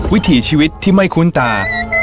วิถีชีวิตที่ไม่คุ้นตา